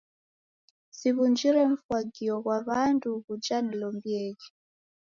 Siw'unjire mfagio ghwa w'andu ghuja nilombieghe.